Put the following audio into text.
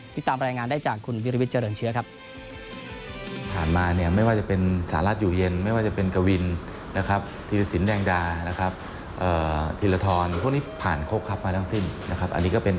ติดตามรายงานได้จากคุณวิรวิทย์เจริญเชื้อครับ